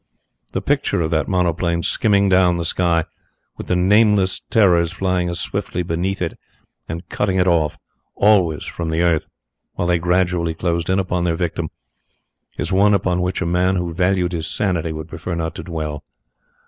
The picture of that monoplane skimming down the sky, with the nameless terrors flying as swiftly beneath it and cutting it off always from the earth while they gradually closed in upon their victim, is one upon which a man who valued his sanity would prefer not to dwell.